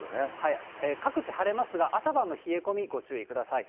各地晴れますが、朝晩の冷え込み、ご注意ください。